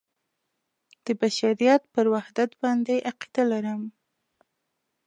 د بشریت پر وحدت باندې عقیده لرم.